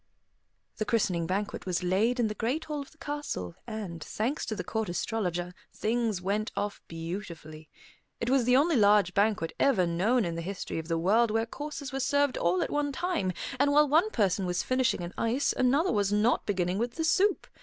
The christening banquet was laid in the great hall of the castle, and, thanks to the Court Astrologer, things went off beautifully. It was the only large banquet ever known in the history of the world where courses were served all at one time, and while one person was finishing an ice, another was not beginning with the soup.